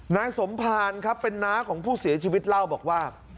นายสมภารครับเป็นน้าของผู้เสียชีวิตเล่าบอกว่า